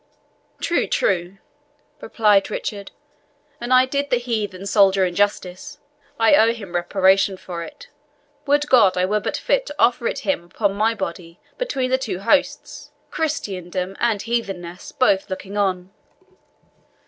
"True, true!" replied Richard; "and I did the heathen Soldan injustice I owe him reparation for it. Would God I were but fit to offer it him upon my body between the two hosts Christendom and heathenesse both looking on!"